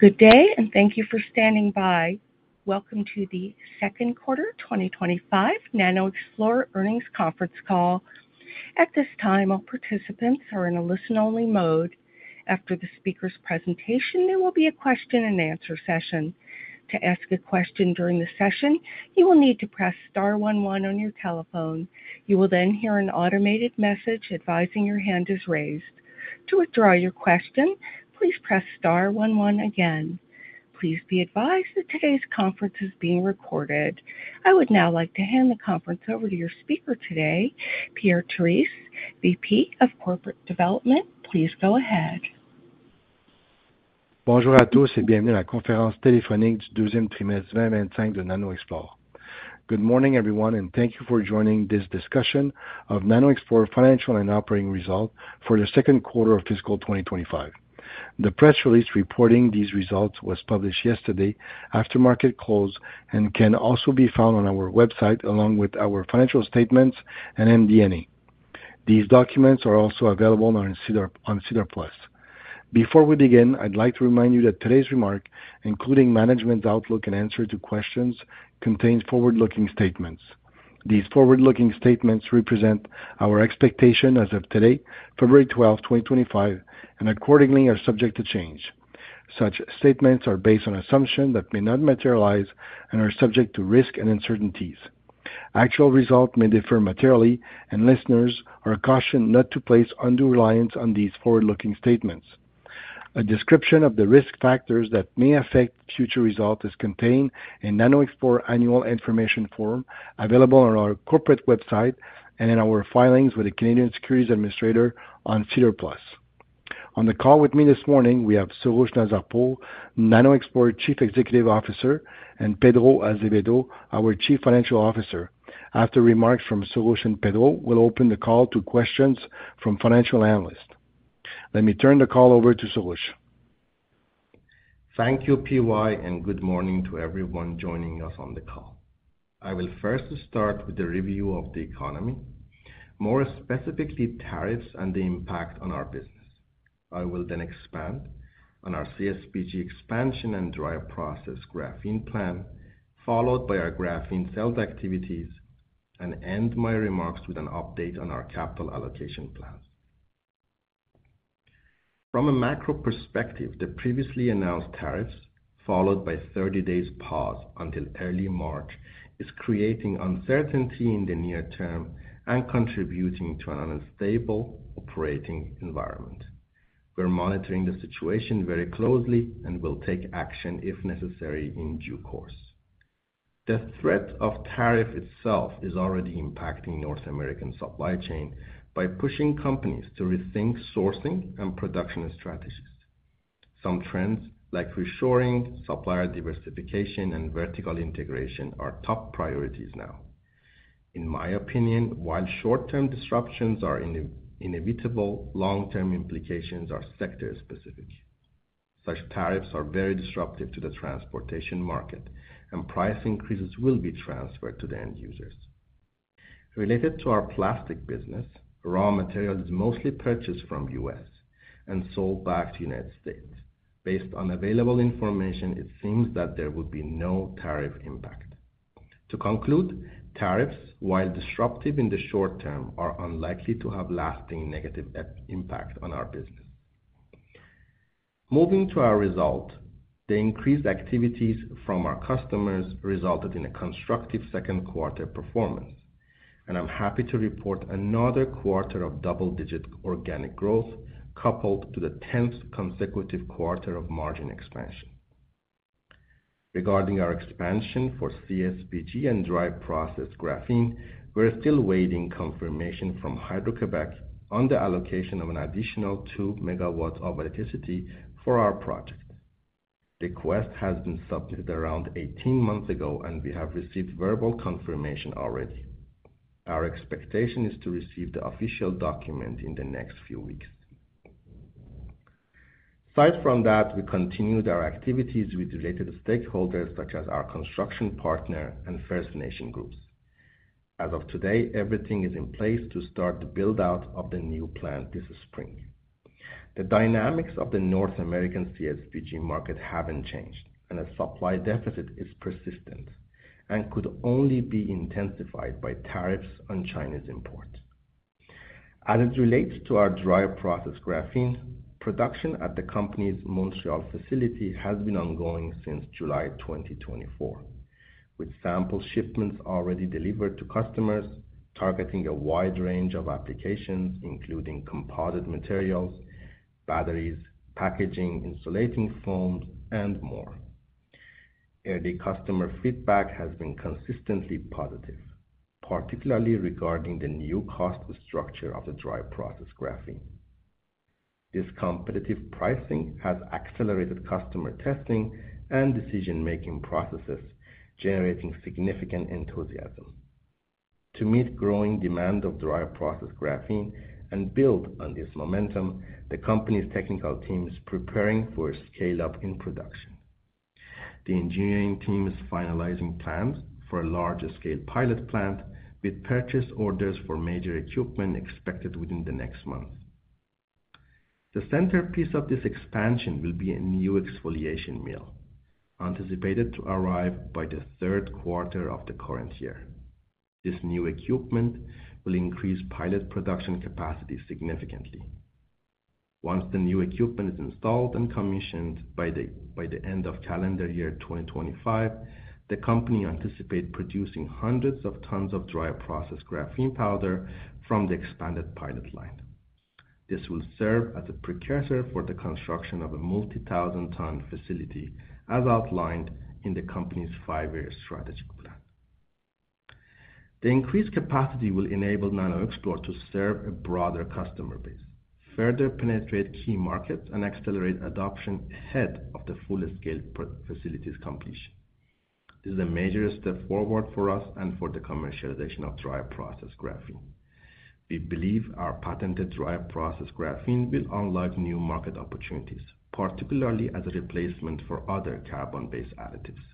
Good day, and thank you for standing by. Welcome to the second quarter 2025 NanoXplore Earnings Conference Call. At this time, all participants are in a listen-only mode. After the speaker's presentation, there will be question -and-answer session. To ask a question during the session, you will need to press star 11 on your telephone. You will then hear an automated message advising your hand is raised. To withdraw your question, please press star one one again. Please be advised that today's conference is being recorded. I would now like to hand the conference over to your speaker today, Pierre-Yves Terrisse, VP of Corporate Development. Please go ahead. Bonjour à tous et bienvenue à la conférence téléphonique du deuxième trimestre 2025 de NanoXplore. Good morning, everyone, and thank you for joining this discussion of NanoXplore financial and operating results for the second quarter of fiscal 2025. The press release reporting these results was published yesterday after market close and can also be found on our website along with our financial statements and MD&A. These documents are also available on SEDAR+. Before we begin, I'd like to remind you that today's remark, including management's outlook and answer to questions, contains forward-looking statements. These forward-looking statements represent our expectation as of today, February 12, 2025, and accordingly are subject to change. Such statements are based on assumptions that may not materialize and are subject to risk and uncertainties. Actual results may differ materially, and listeners are cautioned not to place undue reliance on these forward-looking statements. A description of the risk factors that may affect future results is contained in NanoXplore's annual information form available on our corporate website and in our filings with the Canadian Securities Administrators on SEDAR+. On the call with me this morning, we have Soroush Nazarpour, NanoXplore Chief Executive Officer, and Pedro Azevedo, our Chief Financial Officer. After remarks from Soroush and Pedro, we'll open the call to questions from financial analysts. Let me turn the call over to Soroush. Thank you, PY, and good morning to everyone joining us on the call. I will first start with the review of the economy, more specifically tariffs and the impact on our business. I will then expand on our CSPG expansion and dry process graphene plan, followed by our graphene sales activities, and end my remarks with an update on our capital allocation plans. From a macro perspective, the previously announced tariffs, followed by a 30-day pause until early March, are creating uncertainty in the near term and contributing to an unstable operating environment. We're monitoring the situation very closely and will take action if necessary in due course. The threat of tariff itself is already impacting North American supply chain by pushing companies to rethink sourcing and production strategies. Some trends, like reshoring, supplier diversification, and vertical integration, are top priorities now. In my opinion, while short-term disruptions are inevitable, long-term implications are sector-specific. Such tariffs are very disruptive to the transportation market, and price increases will be transferred to the end users. Related to our plastic business, raw material is mostly purchased from the US and sold back to the United States. Based on available information, it seems that there would be no tariff impact. To conclude, tariffs, while disruptive in the short term, are unlikely to have a lasting negative impact on our business. Moving to our result, the increased activities from our customers resulted in a constructive second quarter performance, and I'm happy to report another quarter of double-digit organic growth coupled to the 10th consecutive quarter of margin expansion. Regarding our expansion for CSPG and dry process graphene, we're still awaiting confirmation from Hydro-Québec on the allocation of an additional two megawatts of electricity for our project. The request has been submitted around 18 months ago, and we have received verbal confirmation already. Our expectation is to receive the official document in the next few weeks. Aside from that, we continued our activities with related stakeholders such as our construction partner and First Nation groups. As of today, everything is in place to start the build-out of the new plant this spring. The dynamics of the North American CSPG market haven't changed, and the supply deficit is persistent and could only be intensified by tariffs on Chinese imports. As it relates to our dry process graphene, production at the company's Montreal facility has been ongoing since July 2024, with sample shipments already delivered to customers targeting a wide range of applications, including composite materials, batteries, packaging, insulating foams, and more. Early customer feedback has been consistently positive, particularly regarding the new cost structure of the dry process graphene. This competitive pricing has accelerated customer testing and decision-making processes, generating significant enthusiasm. To meet growing demand of dry process graphene and build on this momentum, the company's technical team is preparing for a scale-up in production. The engineering team is finalizing plans for a larger-scale pilot plant, with purchase orders for major equipment expected within the next months. The centerpiece of this expansion will be a new exfoliation mill, anticipated to arrive by the third quarter of the current year. This new equipment will increase pilot production capacity significantly. Once the new equipment is installed and commissioned by the end of calendar year 2025, the company anticipates producing hundreds of tons of dry process graphene powder from the expanded pilot line. This will serve as a precursor for the construction of a multi-thousand-ton facility, as outlined in the company's five-year strategy plan. The increased capacity will enable NanoXplore to serve a broader customer base, further penetrate key markets, and accelerate adoption ahead of the full-scale facility's completion. This is a major step forward for us and for the commercialization of dry process graphene. We believe our patented dry process graphene will unlock new market opportunities, particularly as a replacement for other carbon-based additives,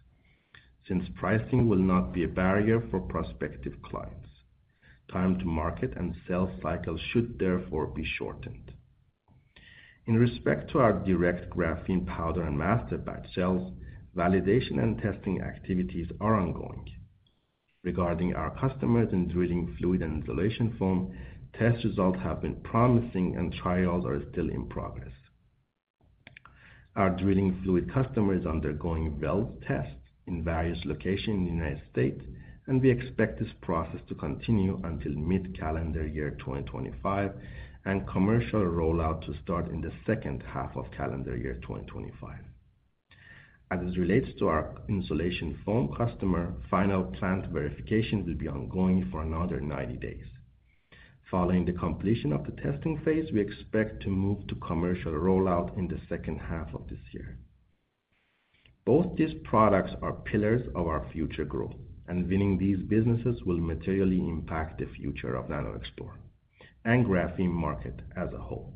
since pricing will not be a barrier for prospective clients. Time-to-market and sales cycles should therefore be shortened. In respect to our direct graphene powder and masterbatch sales, validation and testing activities are ongoing. Regarding our customers in drilling fluid and insulation foam, test results have been promising, and trials are still in progress. Our drilling fluid customer is undergoing well tests in various locations in the United States, and we expect this process to continue until mid-calendar year 2025 and commercial rollout to start in the second half of calendar year 2025. As it relates to our insulation foam customer, final plant verification will be ongoing for another 90 days. Following the completion of the testing phase, we expect to move to commercial rollout in the second half of this year. Both these products are pillars of our future growth, and winning these businesses will materially impact the future of NanoXplore and the graphene market as a whole.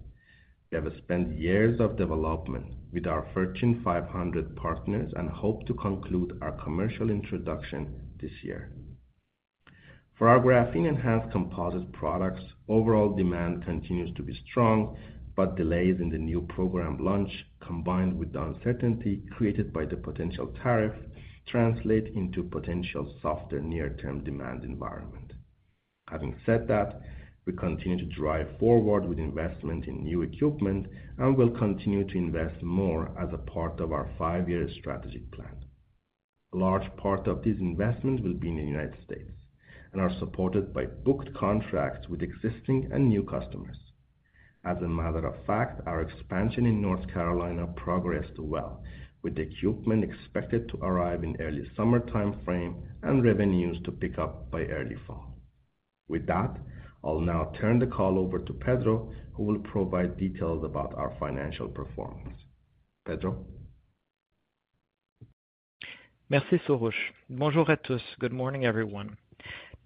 We have spent years of development with our Fortune 500 partners and hope to conclude our commercial introduction this year. For our graphene-enhanced composite products, overall demand continues to be strong, but delays in the new program launch, combined with the uncertainty created by the potential tariff, translate into potential softer near-term demand environment. Having said that, we continue to drive forward with investment in new equipment and will continue to invest more as a part of our five-year strategy plan. A large part of this investment will be in the United States and are supported by booked contracts with existing and new customers. As a matter of fact, our expansion in North Carolina progressed well, with equipment expected to arrive in the early summer timeframe and revenues to pick up by early fall. With that, I'll now turn the call over to Pedro, who will provide details about our financial performance. Pedro. Merci, Soroush. Bonjour à tous. Good morning, everyone.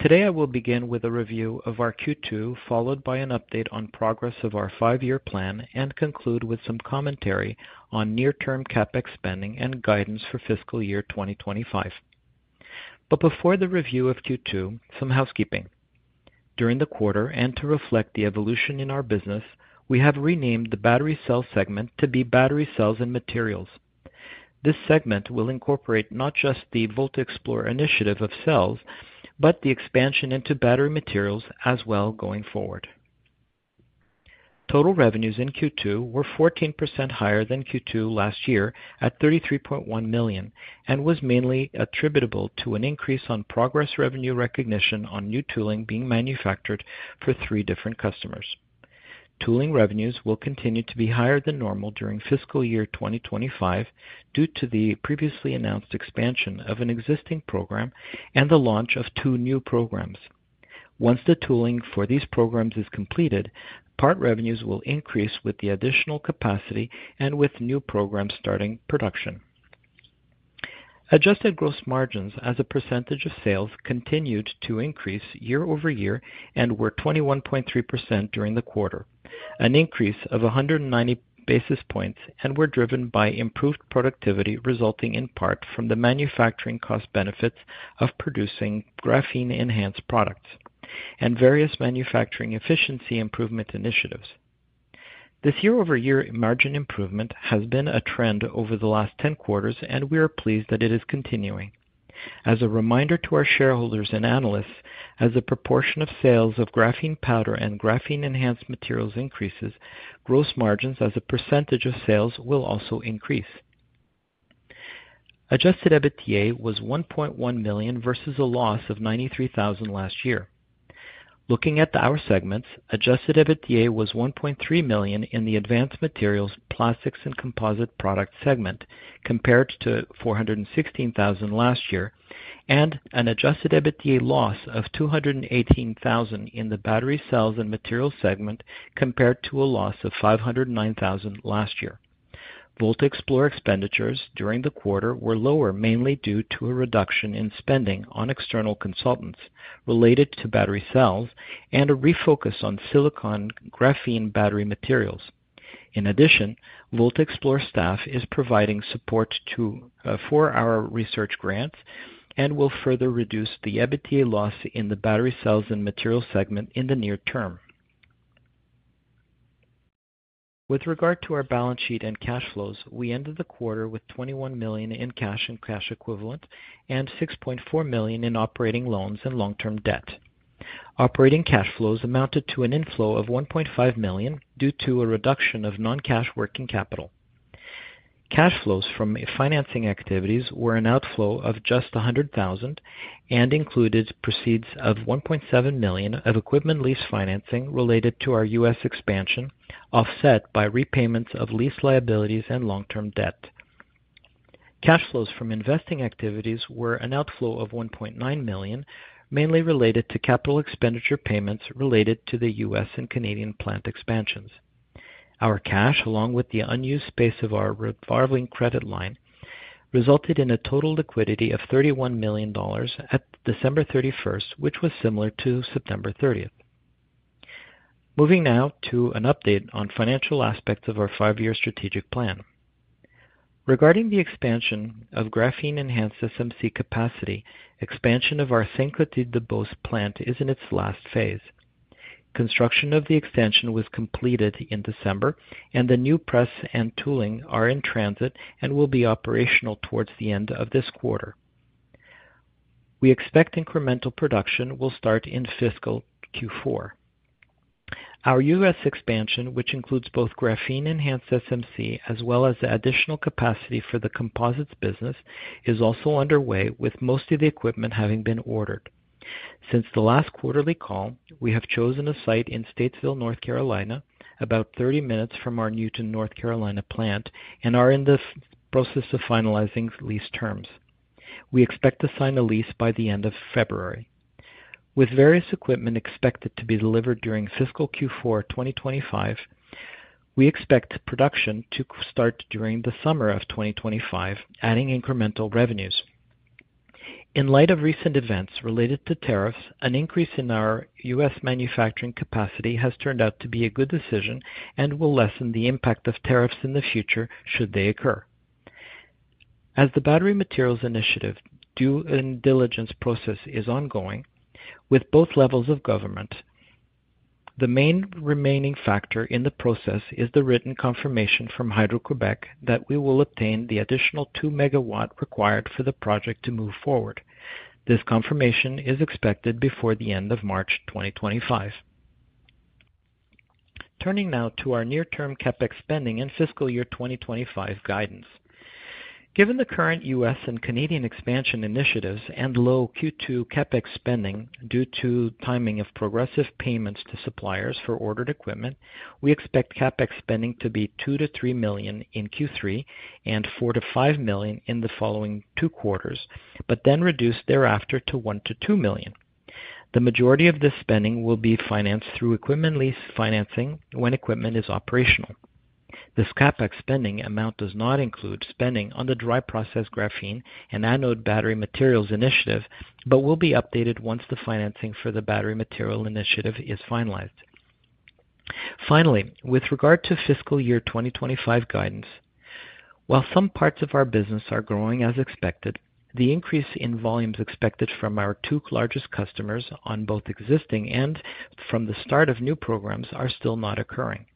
Today, I will begin with a review of our Q2, followed by an update on progress of our five-year plan, and conclude with some commentary on near-term CapEx spending and guidance for fiscal year 2025. But before the review of Q2, some housekeeping. During the quarter, and to reflect the evolution in our business, we have renamed the battery cell segment to be Battery Cells and Materials. This segment will incorporate not just the VoltaXplore initiative of cells, but the expansion into battery materials as well going forward. Total revenues in Q2 were 14% higher than Q2 last year at 33.1 million and was mainly attributable to an increase on progress revenue recognition on new tooling being manufactured for three different customers. Tooling revenues will continue to be higher than normal during fiscal year 2025 due to the previously announced expansion of an existing program and the launch of two new programs. Once the tooling for these programs is completed, part revenues will increase with the additional capacity and with new programs starting production. Adjusted gross margins as a percentage of sales continued to increase year over year and were 21.3% during the quarter, an increase of 190 basis points, and were driven by improved productivity resulting in part from the manufacturing cost benefits of producing graphene-enhanced products and various manufacturing efficiency improvement initiatives. This year-over-year margin improvement has been a trend over the last 10 quarters, and we are pleased that it is continuing. As a reminder to our shareholders and analysts, as the proportion of sales of graphene powder and graphene-enhanced materials increases, gross margins as a percentage of sales will also increase. Adjusted EBITDA was 1.1 million versus a loss of 93,000 last year. Looking at our segments, adjusted EBITDA was 1.3 million in the advanced materials, plastics, and composite products segment compared to 416,000 last year, and an adjusted EBITDA loss of 218,000 in the Battery Cells and Materials segment compared to a loss of 509,000 last year. VoltaXplore expenditures during the quarter were lower, mainly due to a reduction in spending on external consultants related to battery cells and a refocus on silicon graphene battery materials. In addition, VoltaXplore staff is providing support for our research grants and will further reduce the EBITDA loss in the Battery Cells and Materials segment in the near term. With regard to our balance sheet and cash flows, we ended the quarter with 21 million in cash and cash equivalents and 6.4 million in operating loans and long-term debt. Operating cash flows amounted to an inflow of 1.5 million due to a reduction of non-cash working capital. Cash flows from financing activities were an outflow of just 100,000 and included proceeds of 1.7 million of equipment lease financing related to our US expansion, offset by repayments of lease liabilities and long-term debt. Cash flows from investing activities were an outflow of 1.9 million, mainly related to capital expenditure payments related to the US and Canadian plant expansions. Our cash, along with the unused space of our revolving credit line, resulted in a total liquidity of 31 million dollars at December 31st, which was similar to September 30th. Moving now to an update on financial aspects of our five-year strategic plan. Regarding the expansion of graphene-enhanced SMC capacity, expansion of our Sainte-Clotilde-de-Beauce plant is in its last phase. Construction of the extension was completed in December, and the new press and tooling are in transit and will be operational towards the end of this quarter. We expect incremental production will start in fiscal Q4. Our US expansion, which includes both graphene-enhanced SMC as well as additional capacity for the composites business, is also underway, with most of the equipment having been ordered. Since the last quarterly call, we have chosen a site in Statesville, North Carolina, about 30 minutes from our Newton, North Carolina plant, and are in the process of finalizing lease terms. We expect to sign a lease by the end of February. With various equipment expected to be delivered during fiscal Q4 2025, we expect production to start during the summer of 2025, adding incremental revenues. In light of recent events related to tariffs, an increase in our U.S. manufacturing capacity has turned out to be a good decision and will lessen the impact of tariffs in the future should they occur. As the battery materials initiative due diligence process is ongoing with both levels of government, the main remaining factor in the process is the written confirmation from Hydro-Québec that we will obtain the additional two megawatts required for the project to move forward. This confirmation is expected before the end of March 2025. Turning now to our near-term CapEx spending and fiscal year 2025 guidance. Given the current US and Canadian expansion initiatives and low Q2 CapEx spending due to timing of progressive payments to suppliers for ordered equipment, we expect CapEx spending to be 2-3 million in Q3 and 4-5 million in the following two quarters, but then reduce thereafter to 1-2 million. The majority of this spending will be financed through equipment lease financing when equipment is operational. This CapEx spending amount does not include spending on the dry process graphene and anode battery materials initiative, but will be updated once the financing for the battery material initiative is finalized. Finally, with regard to fiscal year 2025 guidance, while some parts of our business are growing as expected, the increase in volumes expected from our two largest customers on both existing and from the start of new programs are still not occurring.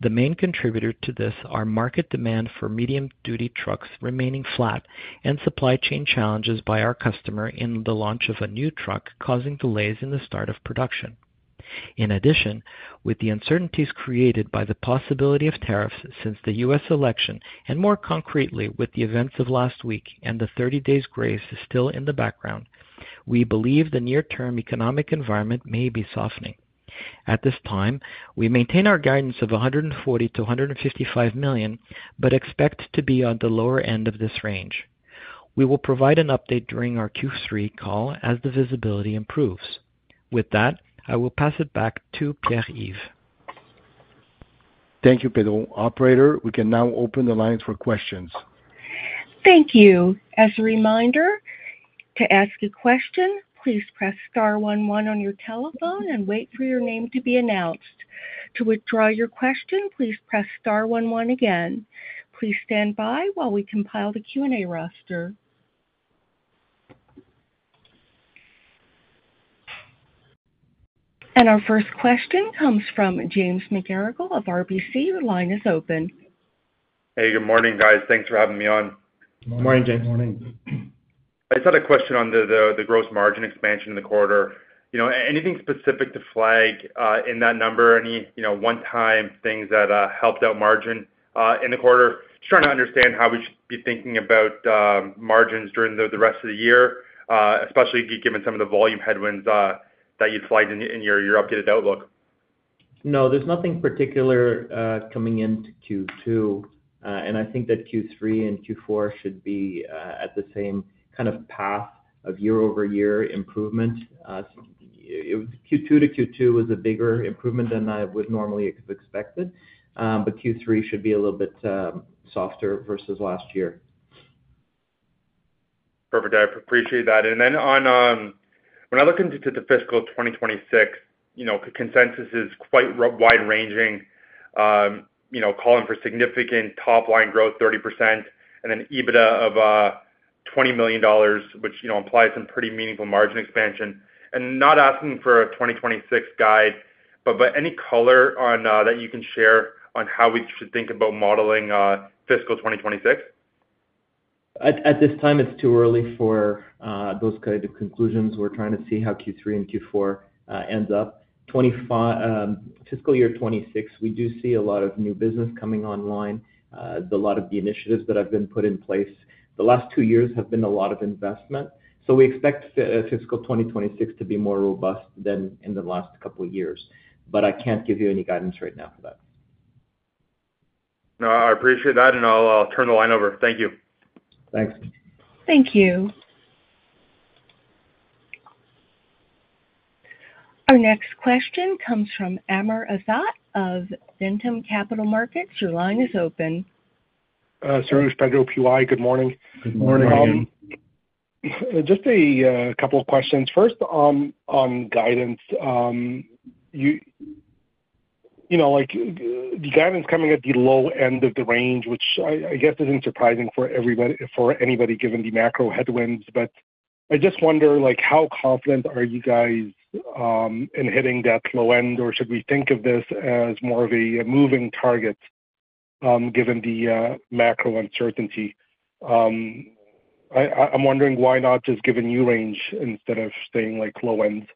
The main contributor to this is market demand for medium-duty trucks remaining flat and supply chain challenges by our customer in the launch of a new truck causing delays in the start of production. In addition, with the uncertainties created by the possibility of tariffs since the U.S. election and more concretely with the events of last week and the 30 days grace still in the background, we believe the near-term economic environment may be softening. At this time, we maintain our guidance of 140 million-155 million but expect to be on the lower end of this range. We will provide an update during our Q3 call as the visibility improves. With that, I will pass it back to Pierre-Yves. Thank you, Pedro. Operator, we can now open the lines for questions. Thank you. As a reminder, to ask a question, please press star 11 on your telephone and wait for your name to be announced. To withdraw your question, please press star 11 again. Please stand by while we compile the Q&A roster. Our first question comes from James McGarragle of RBC. The line is open. Hey, good morning, guys. Thanks for having me on. Good morning, James. Good morning. I just had a question on the gross margin expansion in the quarter. Anything specific to flag in that number? Any one-time things that helped out margin in the quarter? Just trying to understand how we should be thinking about margins during the rest of the year, especially given some of the volume headwinds that you'd flagged in your updated outlook. No, there's nothing particular coming into Q2, and I think that Q3 and Q4 should be at the same kind of path of year-over-year improvement. Q2 to Q2 was a bigger improvement than I would normally have expected, but Q3 should be a little bit softer versus last year. Perfect. I appreciate that. And then when I look into the fiscal 2026, consensus is quite wide-ranging, calling for significant top-line growth, 30%, and an EBITDA of $20 million, which implies some pretty meaningful margin expansion. And not asking for a 2026 guide, but any color that you can share on how we should think about modeling fiscal 2026? At this time, it's too early for those kinds of conclusions. We're trying to see how Q3 and Q4 end up. Fiscal year 2026, we do see a lot of new business coming online. A lot of the initiatives that have been put in place the last two years have been a lot of investment. So we expect fiscal 2026 to be more robust than in the last couple of years, but I can't give you any guidance right now for that. No, I appreciate that, and I'll turn the line over. Thank you. Thanks. Thank you. Our next question comes from Amr Ezzat of Ventum Capital Markets. Your line is open. Soroush, Pedro, PY, good morning. Good morning, Amr. Just a couple of questions. First, on guidance, the guidance coming at the low end of the range, which I guess isn't surprising for anybody given the macro headwinds, but I just wonder how confident are you guys in hitting that low end, or should we think of this as more of a moving target given the macro uncertainty? I'm wondering why not just give you range instead of saying low end.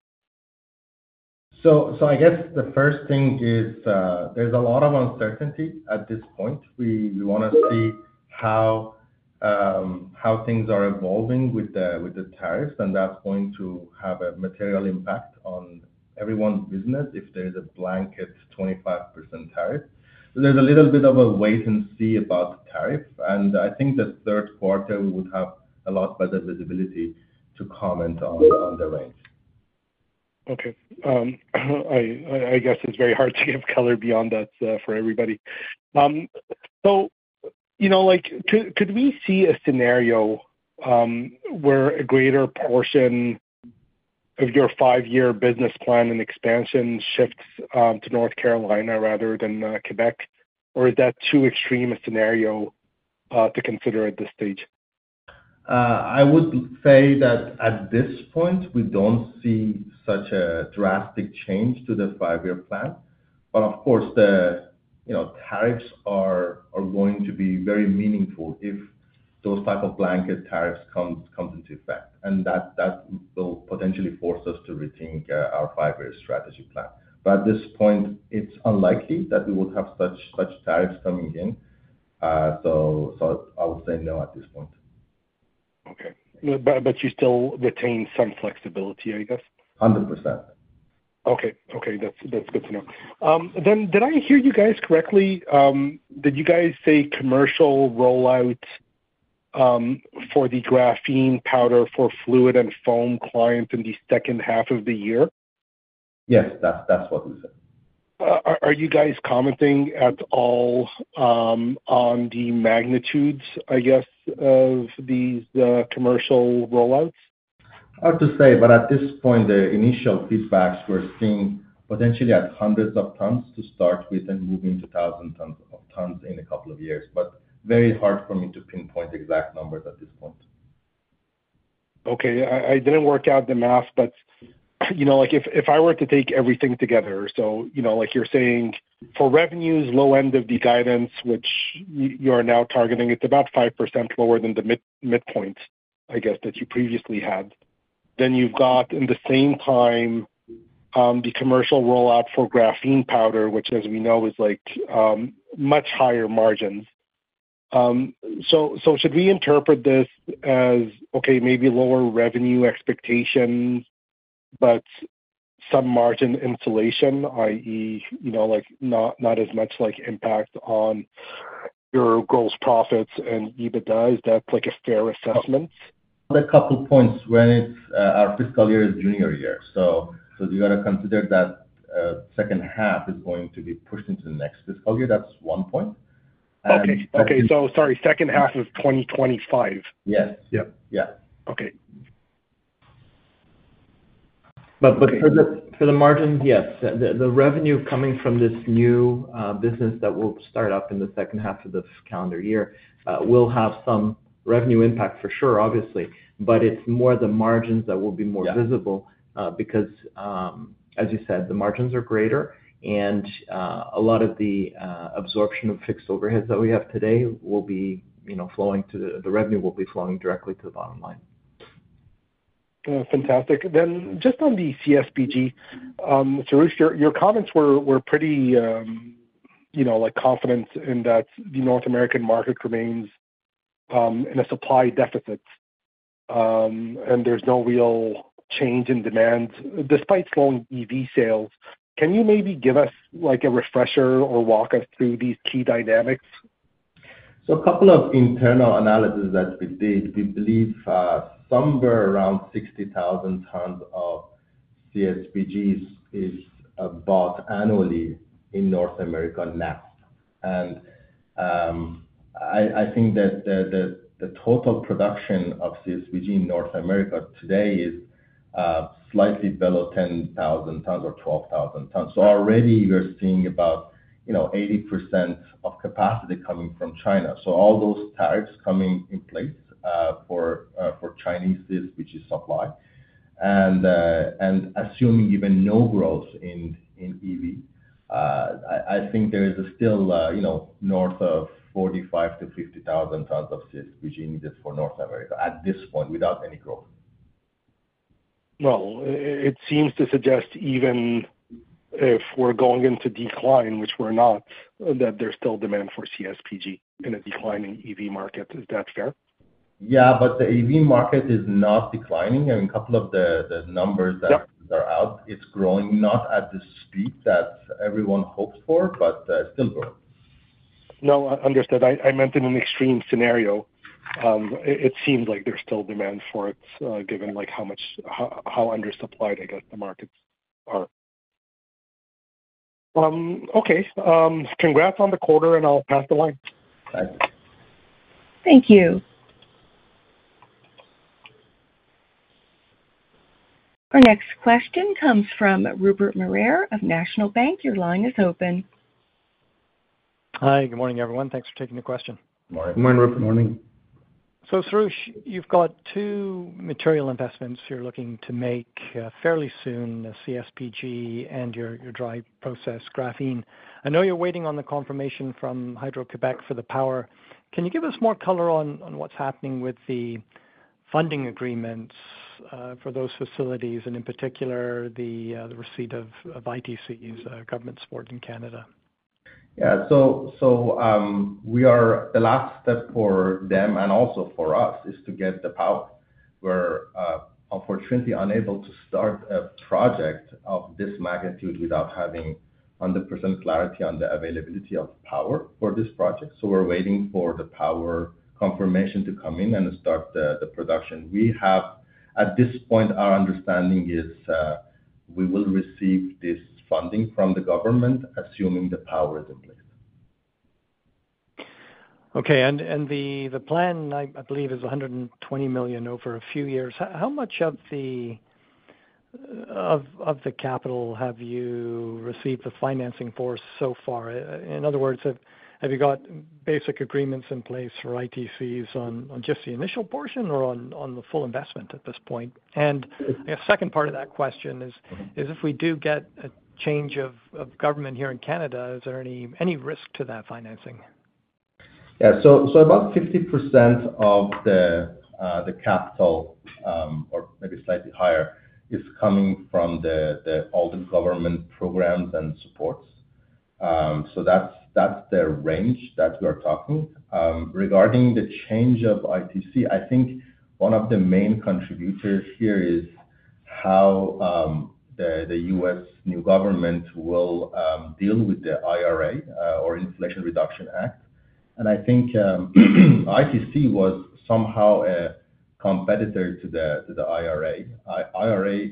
So I guess the first thing is there's a lot of uncertainty at this point. We want to see how things are evolving with the tariffs, and that's going to have a material impact on everyone's business if there's a blanket 25% tariff. So there's a little bit of a wait and see about the tariff, and I think the third quarter we would have a lot better visibility to comment on the range. Okay. I guess it's very hard to give color beyond that for everybody. So could we see a scenario where a greater portion of your five-year business plan and expansion shifts to North Carolina rather than Quebec, or is that too extreme a scenario to consider at this stage? I would say that at this point, we don't see such a drastic change to the five-year plan. But of course, the tariffs are going to be very meaningful if those type of blanket tariffs come into effect, and that will potentially force us to rethink our five-year strategy plan. But at this point, it's unlikely that we would have such tariffs coming in. So I would say no at this point. Okay. But you still retain some flexibility, I guess? 100%. Okay. Okay. That's good to know. Then did I hear you guys correctly? Did you guys say commercial rollout for the graphene powder for fluid and foam clients in the second half of the year? Yes, that's what we said. Are you guys commenting at all on the magnitudes, I guess, of these commercial rollouts? Hard to say, but at this point, the initial feedbacks we're seeing potentially at hundreds of tons to start with and moving to thousands of tons in a couple of years, but very hard for me to pinpoint exact numbers at this point. Okay. I didn't work out the math, but if I were to take everything together, so like you're saying, for revenues, low end of the guidance, which you are now targeting, it's about 5% lower than the midpoint, I guess, that you previously had. Then you've got in the same time the commercial rollout for graphene powder, which as we know is much higher margins. So should we interpret this as, okay, maybe lower revenue expectations, but some margin insulation, i.e., not as much impact on your gross profits and EBITDA? Is that a fair assessment? A couple of points when our fiscal year ends in June, yeah. So you got to consider that second half is going to be pushed into the next fiscal year. That's one point. Okay. So sorry, second half of 2025. Yes. Yep. Yeah. Okay. But for the margins, yes. The revenue coming from this new business that will start up in the second half of this calendar year will have some revenue impact for sure, obviously, but it's more the margins that will be more visible because, as you said, the margins are greater, and a lot of the absorption of fixed overheads that we have today will be flowing to the revenue, will be flowing directly to the bottom line. Fantastic. Then just on the CSPG, Soroush, your comments were pretty confident in that the North American market remains in a supply deficit and there's no real change in demand despite slowing EV sales. Can you maybe give us a refresher or walk us through these key dynamics? A couple of internal analyses that we did, we believe somewhere around 60,000 tons of CSPGs is bought annually in North America now. I think that the total production of CSPG in North America today is slightly below 10,000 tons or 12,000 tons. Already we're seeing about 80% of capacity coming from China. All those tariffs coming in place for Chinese CSPG supply, and assuming even no growth in EV, I think there is still north of 45,000-50,000 tons of CSPG needed for North America at this point without any growth. It seems to suggest even if we're going into decline, which we're not, that there's still demand for CSPG in a declining EV market. Is that fair? Yeah, but the EV market is not declining. I mean, a couple of the numbers that are out, it's growing not at the speed that everyone hopes for, but still growing. No, understood. I meant in an extreme scenario, it seems like there's still demand for it given how undersupplied, I guess, the markets are. Okay. Congrats on the quarter, and I'll pass the line. Thanks. Thank you. Our next question comes from Rupert Merer of National Bank Financial. Your line is open. Hi. Good morning, everyone. Thanks for taking the question. Good morning. Good morning, Rupert. Good morning. So Soroush, you've got two material investments you're looking to make fairly soon, the CSPG and your dry process graphene. I know you're waiting on the confirmation from Hydro-Québec for the power. Can you give us more color on what's happening with the funding agreements for those facilities and in particular the receipt of ITCs, government support in Canada? Yeah. So the last step for them and also for us is to get the power. We're unfortunately unable to start a project of this magnitude without having 100% clarity on the availability of power for this project. So we're waiting for the power confirmation to come in and start the production. At this point, our understanding is we will receive this funding from the government, assuming the power is in place. Okay. And the plan, I believe, is 120 million over a few years. How much of the capital have you received the financing for so far? In other words, have you got basic agreements in place for ITCs on just the initial portion or on the full investment at this point? And the second part of that question is, if we do get a change of government here in Canada, is there any risk to that financing? Yeah. So about 50% of the capital, or maybe slightly higher, is coming from all the government programs and supports. So that's the range that we are talking. Regarding the change of ITC, I think one of the main contributors here is how the U.S. new government will deal with the IRA or Inflation Reduction Act, and I think ITC was somehow a competitor to the IRA. IRA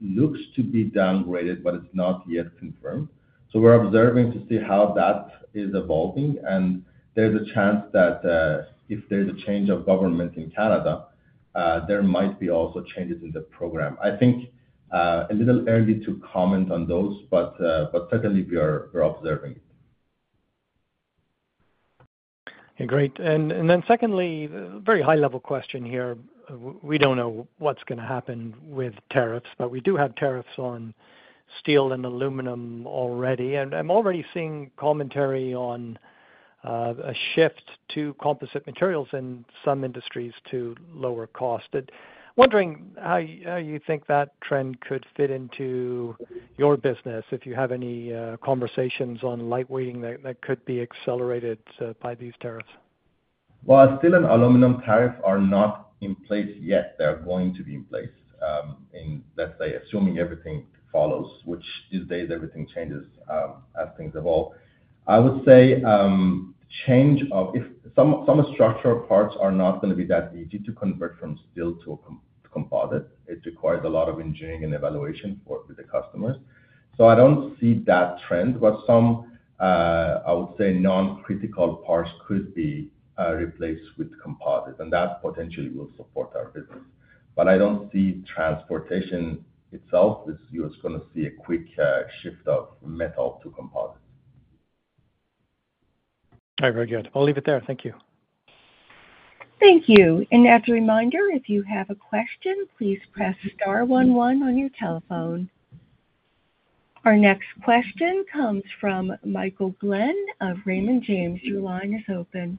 looks to be downgraded, but it's not yet confirmed. So we're observing to see how that is evolving, and there's a chance that if there's a change of government in Canada, there might be also changes in the program. I think a little early to comment on those, but certainly we're observing it. Okay. Great. And then secondly, very high-level question here. We don't know what's going to happen with tariffs, but we do have tariffs on steel and aluminum already. And I'm already seeing commentary on a shift to composite materials in some industries to lower cost. Wondering how you think that trend could fit into your business if you have any conversations on lightweighting that could be accelerated by these tariffs? Steel and aluminum tariffs are not in place yet. They're going to be in place, let's say, assuming everything follows, which these days everything changes as things evolve. I would say the change of some structural parts are not going to be that easy to convert from steel to composite. It requires a lot of engineering and evaluation with the customers. So I don't see that trend, but some, I would say, non-critical parts could be replaced with composite, and that potentially will support our business. But I don't see transportation itself is you're just going to see a quick shift of metal to composite. All right. Very good. I'll leave it there. Thank you. Thank you. And as a reminder, if you have a question, please press star 11 on your telephone. Our next question comes from Michael Glen of Raymond James. Your line is open.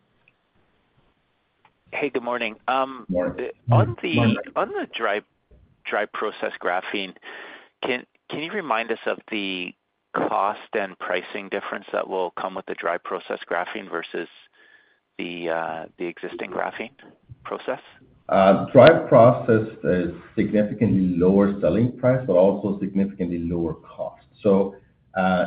Hey, good morning. On the dry process graphene, can you remind us of the cost and pricing difference that will come with the dry process graphene versus the existing graphene process? Dry process is significantly lower selling price, but also significantly lower cost. So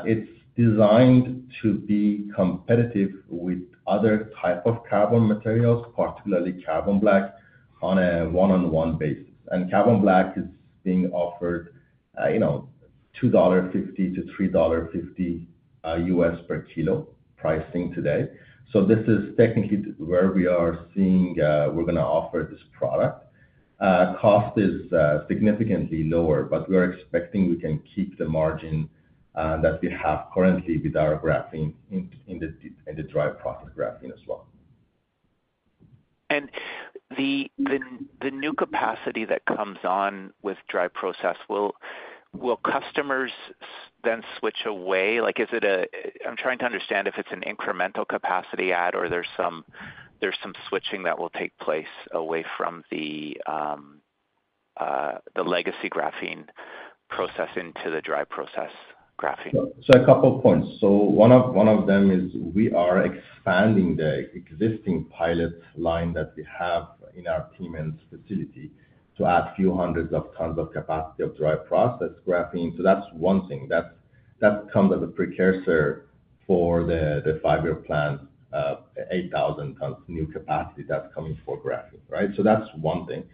it's designed to be competitive with other types of carbon materials, particularly carbon black, on a one-on-one basis. And carbon black is being offered $2.50-$3.50 US per kilo pricing today. So this is technically where we are seeing we're going to offer this product. Cost is significantly lower, but we're expecting we can keep the margin that we have currently with our graphene in the dry process graphene as well. The new capacity that comes on with dry process, will customers then switch away? I'm trying to understand if it's an incremental capacity add or there's some switching that will take place away from the legacy graphene process into the dry process graphene. A couple of points. One of them is we are expanding the existing pilot line that we have in our plant and facility to add a few hundreds of tons of capacity of dry process graphene. That's one thing. That comes as a precursor for the five-year plan, 8,000 tons new capacity that's coming for graphene, right? That's one thing.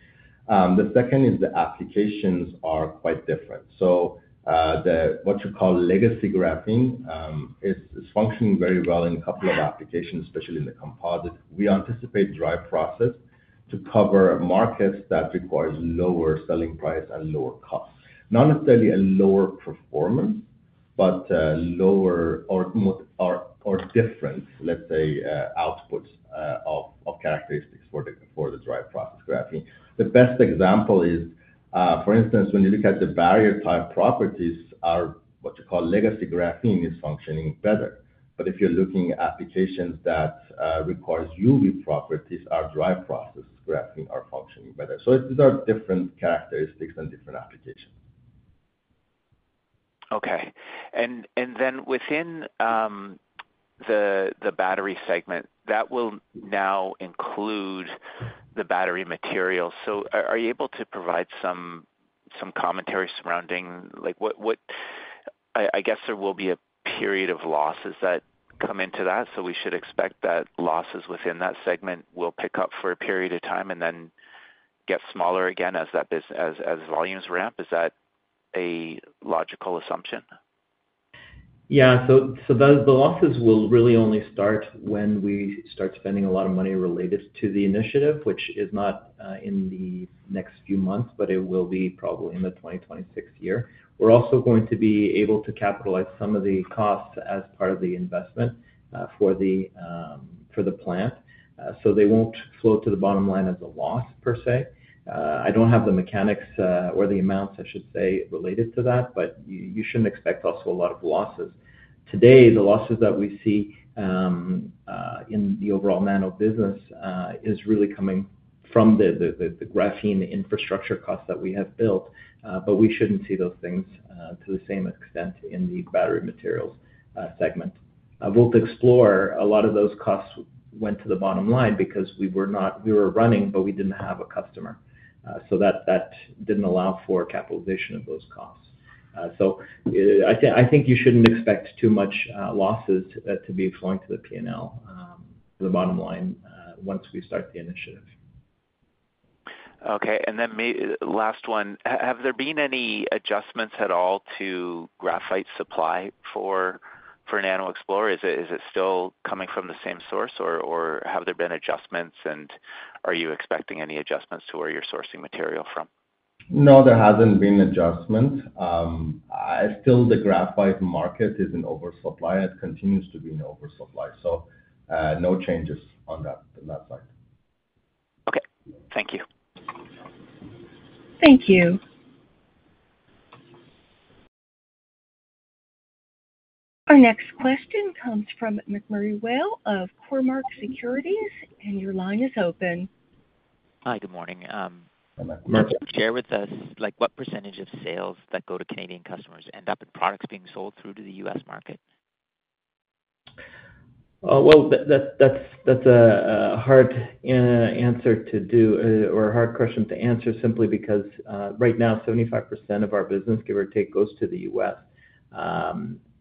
The second is the applications are quite different. What you call legacy graphene is functioning very well in a couple of applications, especially in the composites. We anticipate dry process to cover markets that require lower selling price and lower cost. Not necessarily a lower performance, but lower or different, let's say, outputs of characteristics for the dry process graphene. The best example is, for instance, when you look at the barrier-type properties, what you call legacy graphene is functioning better. If you're looking at applications that require UV properties, our dry process graphene are functioning better. These are different characteristics and different applications. Okay. And then within the battery segment, that will now include the battery materials. So are you able to provide some commentary surrounding what I guess there will be a period of losses that come into that? So we should expect that losses within that segment will pick up for a period of time and then get smaller again as volumes ramp. Is that a logical assumption? Yeah. So the losses will really only start when we start spending a lot of money related to the initiative, which is not in the next few months, but it will be probably in the 2026 year. We're also going to be able to capitalize some of the costs as part of the investment for the plant. So they won't flow to the bottom line as a loss per se. I don't have the mechanics or the amounts, I should say, related to that, but you shouldn't expect also a lot of losses. Today, the losses that we see in the overall nano business is really coming from the graphene infrastructure costs that we have built, but we shouldn't see those things to the same extent in the battery materials segment. We'll explore a lot of those costs went to the bottom line because we were running, but we didn't have a customer. So that didn't allow for capitalization of those costs. So I think you shouldn't expect too much losses to be flowing to the P&L, the bottom line, once we start the initiative. Okay. And then, last one. Have there been any adjustments at all to graphite supply for NanoXplore? Is it still coming from the same source, or have there been adjustments, and are you expecting any adjustments to where you're sourcing material from? No, there hasn't been adjustments. Still, the graphite market is in oversupply. It continues to be in oversupply. So no changes on that side. Okay. Thank you. Thank you. Our next question comes from MacMurray Whale of Cormark Securities, and your line is open. Hi, good morning. Hi, McMurray. Share with us what percentage of sales that go to Canadian customers end up in products being sold through to the US market? That's a hard answer to do or a hard question to answer simply because right now, 75% of our business, give or take, goes to the U.S.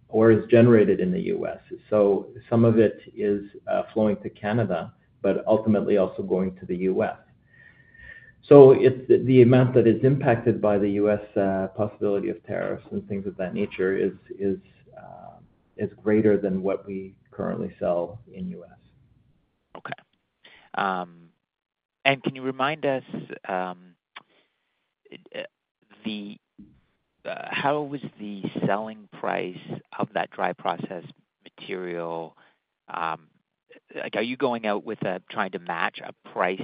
or is generated in the U.S., so some of it is flowing to Canada, but ultimately also going to the U.S., so the amount that is impacted by the U.S. possibility of tariffs and things of that nature is greater than what we currently sell in the U.S. Okay. And can you remind us how was the selling price of that dry process material? Are you going out with trying to match a price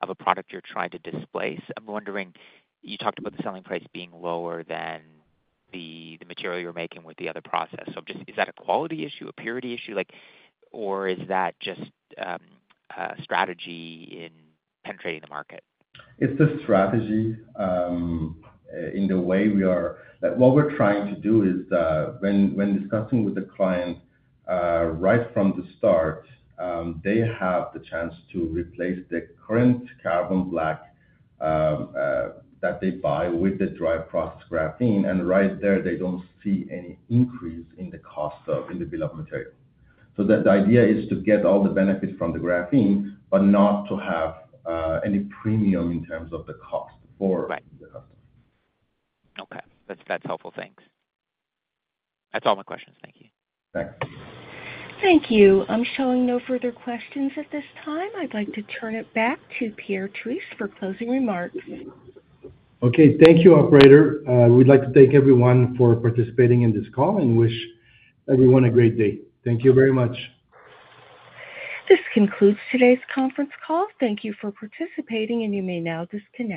of a product you're trying to displace? I'm wondering, you talked about the selling price being lower than the material you're making with the other process. So is that a quality issue, a purity issue, or is that just a strategy in penetrating the market? It's a strategy in the way we are. What we're trying to do is, when discussing with the client right from the start, they have the chance to replace the current carbon black that they buy with the dry process graphene, and right there they don't see any increase in the cost in the bill of material, so the idea is to get all the benefits from the graphene, but not to have any premium in terms of the cost for the customer. Okay. That's helpful. Thanks. That's all my questions. Thank you. Thanks. Thank you. I'm showing no further questions at this time. I'd like to turn it back to Pierre Terrisse for closing remarks. Okay. Thank you, operator. We'd like to thank everyone for participating in this call and wish everyone a great day. Thank you very much. This concludes today's conference call. Thank you for participating, and you may now disconnect.